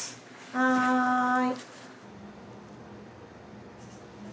はい。